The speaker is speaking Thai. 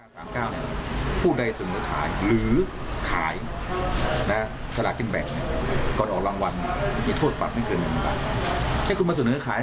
ถ้าบริการหรือกบวกอะไรก็ตามมันมีกฎหมายรองรัก